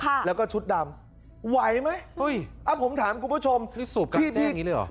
ค่ะแล้วก็ชุดดำไหวไหมอุ้ยอ้าวผมถามคุณผู้ชมนี่สูบกันแจงงี้หรือเหรอ